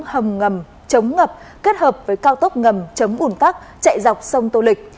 hầm ngầm chống ngập kết hợp với cao tốc ngầm chống ủn tắc chạy dọc sông tô lịch